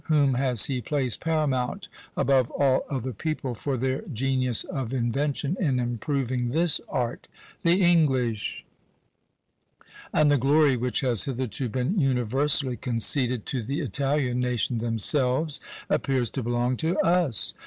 whom has he placed paramount, above all other people, for their genius of invention in improving this art! The English! and the glory which has hitherto been universally conceded to the Italian nation themselves, appears to belong to us!